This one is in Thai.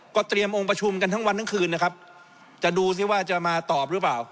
ก็เตรียมองค์ประชุมกันทั้งวันทั้งคืนนะครับจะดูสิว่าจะมาตอบหรือเปล่า